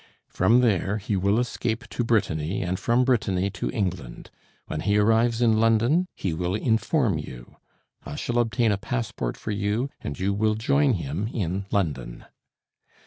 From there he will escape to Brittany, and from Brittany to England. When he arrives in London, he will inform you; I shall obtain a passport for you, and you will join him in London."